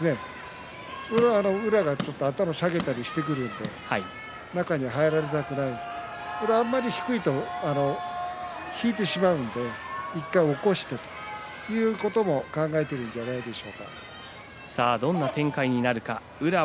宇良が頭を下げたりしてきますから中に入られたくないからあまり低いと引いてしまうので一度起こしてということも考えているんだと思います。